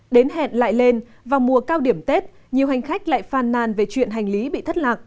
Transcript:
đến hẹn lại lên vào mùa cao điểm tết nhiều hành khách lại phàn nàn về chuyện hành lý bị thất lạc